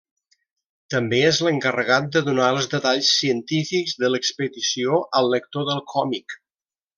També és l'encarregat de donar els detalls científics de l'expedició al lector del còmic.